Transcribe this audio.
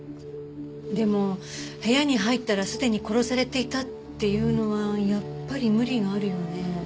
でも部屋に入ったらすでに殺されていたっていうのはやっぱり無理があるよね。